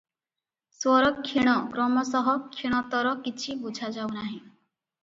ସ୍ୱର କ୍ଷୀଣ କ୍ରମଶଃ କ୍ଷୀଣତର କିଛି ବୁଝା ଯାଉ ନାହିଁ ।